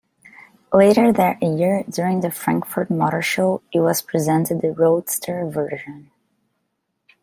Later that year, during the Frankfurt Motorshow it was presented the roadster version.